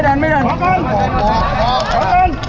สวัสดีครับทุกคน